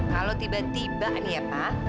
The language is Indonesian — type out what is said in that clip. kalau tiba tiba nih ya pak